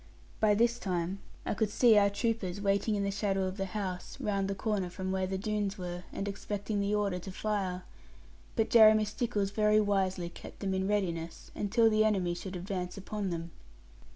By this time I could see our troopers, waiting in the shadow of the house, round the corner from where the Doones were, and expecting the order to fire. But Jeremy Stickles very wisely kept them in readiness, until the enemy should advance upon them.